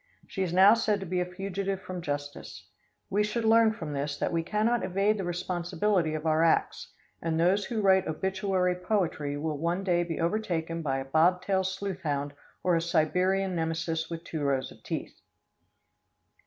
She is now said to be a fugitive from justice. We should learn from this that we cannot evade the responsibility of our acts, and those who write obituary poetry will one day be overtaken by a bob tail sleuth hound or a Siberian nemesis with two rows of teeth.